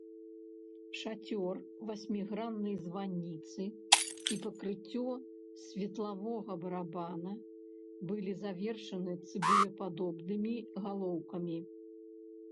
Шацёр васьміграннай званіцы і пакрыццё светлавога барабана былі завершаны цыбулепадобнымі галоўкамі.